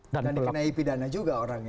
dan dikenai pidana juga orangnya